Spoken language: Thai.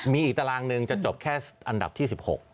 มีอีกตารางหนึ่งจะจบแค่อันดับที่๑๖